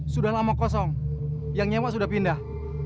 sudah lama kosong yang nyewa sudah pindah